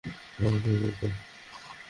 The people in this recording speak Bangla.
হ্যাঁ, সেটাই তো।